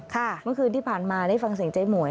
เมื่อคืนที่ผ่านมาได้ฟังเสียงเจ๊หมวย